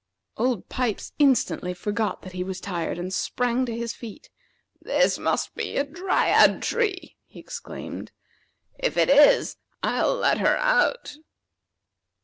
Old Pipes instantly forgot that he was tired, and sprang to his feet. "This must be a Dryad tree!" he exclaimed. "If it is, I'll let her out."